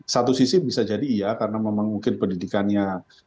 satu sisi bisa jadi iya karena memang mungkin pendidikannya